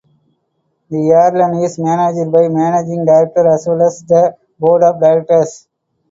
The airline is managed by managing director as well as the Board of Directors.